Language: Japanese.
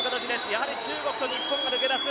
やはり、中国と日本が抜け出す。